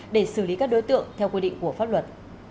để xử lý các đối tượng theo quy định của pháp luật